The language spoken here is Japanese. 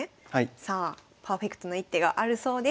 さあパーフェクトな一手があるそうです。